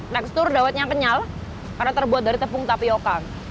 tekstur dawetnya kenyal karena terbuat dari tepung tapioca